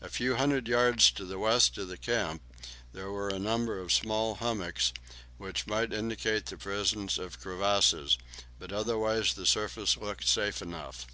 A few hundred yards to the west of the camp there were a number of small hummocks, which might indicate the presence of crevasses, but otherwise the surface looked safe enough.